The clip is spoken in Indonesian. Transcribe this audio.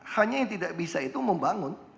hanya yang tidak bisa itu membangun